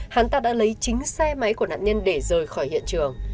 hắn ta đã lấy chính xe máy của nạn nhân để rời khỏi hiện trường